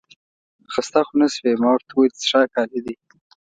خسته خو نه شوې؟ ما ورته وویل څښاک عالي دی.